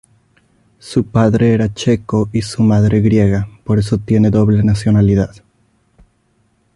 Su padre era checo y su madre griega, por eso tiene doble nacionalidad.